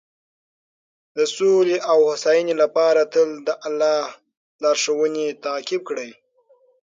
د سولې او هوساینې لپاره تل د الله لارښوونې تعقیب کړئ.